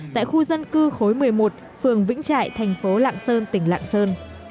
tại khu dân cư khối một mươi một phường vĩnh trại thành phố lạng sơn tỉnh lạng sơn